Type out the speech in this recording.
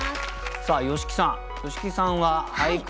さあ吉木さん。